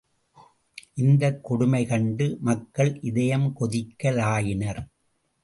இந்தக் கொடுமை கண்டு மக்கள் இதயம் கொதிக்க லாயினர்.